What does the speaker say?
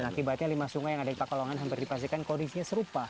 dan akibatnya lima sungai yang ada di pekalongan hampir dipastikan kondisinya serupa